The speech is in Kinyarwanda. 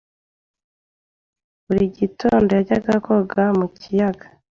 Buri gitondo yajyaga koga mu kiyaga.